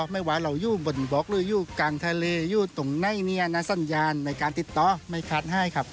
ไม่ว่าเราอยู่บนบล็อกหรืออยู่กลางทะเลอยู่ตรงไหนเนี่ยนะสัญญาณในการติดต่อไม่คัดให้ครับ